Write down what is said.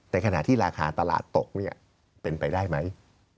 แต่ขณะที่ราคาตลาดตกเนี่ยเป็นไปได้ไหม